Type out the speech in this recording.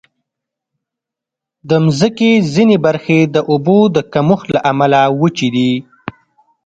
د مځکې ځینې برخې د اوبو د کمښت له امله وچې دي.